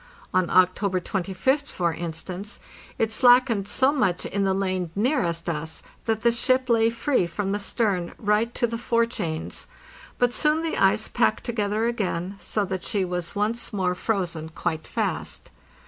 On October 25th, for instance, it slackened so much in the lane nearest us that the ship lay free from the stern right to the fore chains; but soon the ice packed together again, so that she was once more frozen quite fast.